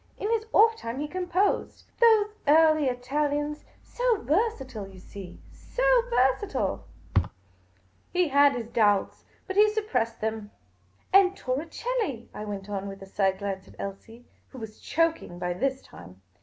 " In his off time, he composed. Tho.se early Italians — so versatile, you see ; so versatile !'' *5 226 Miss Cayley's Adventures He had his doubts, Init he suppressed them. " And Torricelli," I went on, with a side glance at Elsie, who was choking by this time.